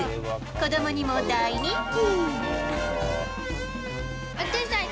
子どもにも大人気。